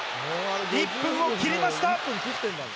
１分を切りました。